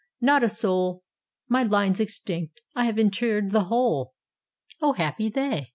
"Not a soul: My line's extinct! I have interred the whole." O happy they!